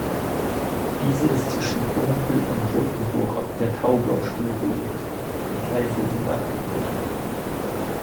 Diese ist zwischen Dombühl und Rothenburg ob der Tauber stillgelegt, die Gleise sind abgebaut.